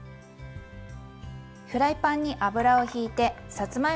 フライパンに油をひいてさつまいもを入れます。